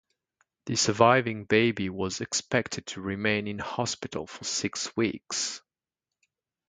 The surviving baby was expected to remain in hospital for six weeks.